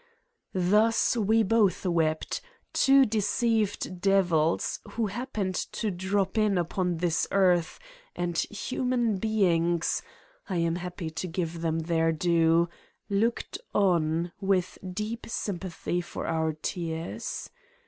' Thus we both wept, two deceived devils who happened to drop in upon this earth, and human beings I am happy to give them their due! looked on with deep sympathy for our tears.